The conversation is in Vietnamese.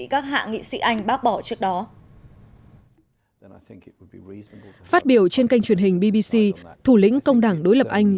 của anh bác bỏ trước đó phát biểu trên kênh truyền hình bbc thủ lĩnh công đảng đối lập anh